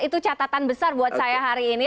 itu catatan besar buat saya hari ini